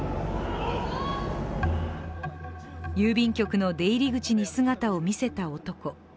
郵便局の出入り口に姿を見せた男。